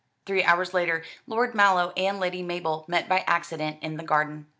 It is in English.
Three hours later Lord Mallow and Lady Mabel met by accident in the garden.